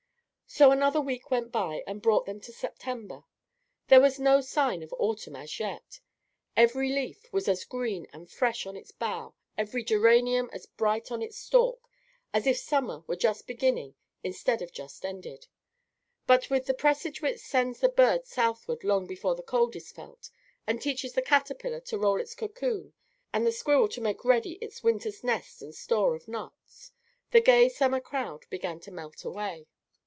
So another week went by, and brought them to September. There was no sign of autumn as yet. Every leaf was as green and fresh on its bough, every geranium as bright on its stalk, as if summer were just beginning instead of just ended. But with the presage which sends the bird southward long before the cold is felt, and teaches the caterpillar to roll its cocoon and the squirrel to make ready its winter's nest and store of nuts, the gay summer crowd began to melt away.